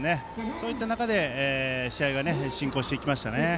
そういった中で試合が進行しましたね。